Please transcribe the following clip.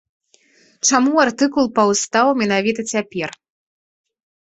Чаму артыкул паўстаў менавіта цяпер?